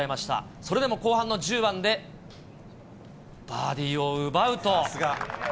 それでも後半の１０番でバーディーを奪うと。